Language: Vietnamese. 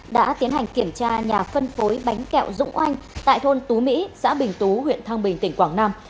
đã tiến hành kiểm tra nhà phân phối bánh kẹo dũng oanh tại thôn tú mỹ xã bình tú huyện thăng bình tỉnh quảng nam